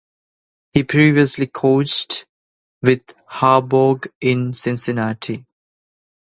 He previously coached with Harbaugh in Cincinnati.